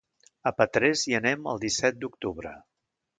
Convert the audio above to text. A Petrés hi anem el disset d'octubre.